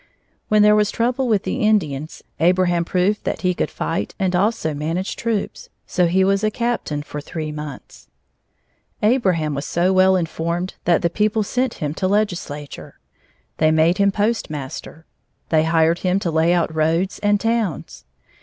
When there was trouble with the Indians, Abraham proved that he could fight and also manage troops, so he was a captain for three months. Abraham was so well informed that the people sent him to legislature. They made him postmaster. They hired him to lay out roads and towns.